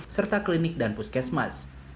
serta klinik dan puskesmas